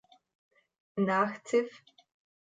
Nach Ziff.